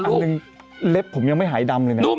อันหนึ่งเล็บผมยังไม่หายดำเลยนะ